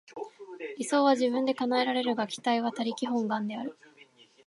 理想は自分で叶えられるが、期待は他力本願である。